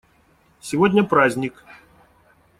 Сегодня праздник.